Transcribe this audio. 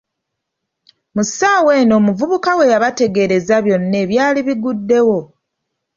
Mu ssaawa eno omuvubuka we yabategeereza byonna ebyali biguddewo.